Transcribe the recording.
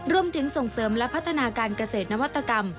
รวมถึงส่งเสริมและพัฒนาการเกษตรนวัตกรรม